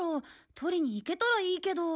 取りに行けたらいいけど。